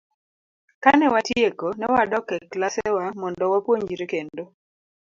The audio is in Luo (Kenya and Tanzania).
Kane watieko, ne wadok e klasewa mondo wapuonjre kendo.